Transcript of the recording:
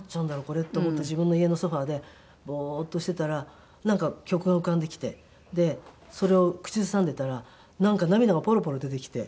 これと思って自分の家のソファでボーッとしてたらなんか曲が浮かんできてそれを口ずさんでたらなんか涙がポロポロ出てきて。